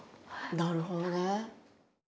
なるほどね。